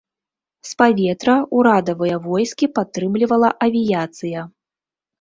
З паветра ўрадавыя войскі падтрымлівала авіяцыя.